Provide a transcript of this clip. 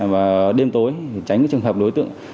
và đêm tối tránh trường hợp đối tượng